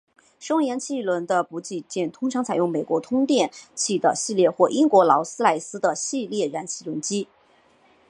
使用燃气轮机的补给舰通常采用美国通用电气的系列或英国劳斯莱斯的系列燃气轮机。